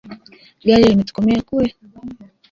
Gari limetokomea kule